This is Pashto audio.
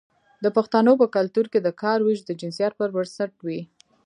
د پښتنو په کلتور کې د کار ویش د جنسیت پر بنسټ وي.